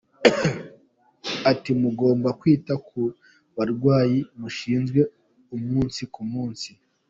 Ati “Mugomba kwita ku barwayi mushinzwe umunsi ku munsi.